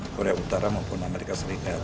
korea utara maupun amerika serikat